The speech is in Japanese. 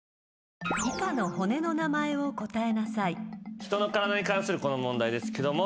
人の体に関する問題ですけども。